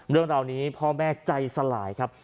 เรื่องราวนี้พ่อแม่ใจสลายครับ